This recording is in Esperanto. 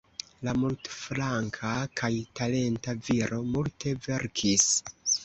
La multflanka kaj talenta viro multe verkis.